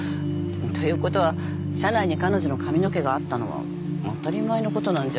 ということは車内に彼女の髪の毛があったのは当たり前のことなんじゃ？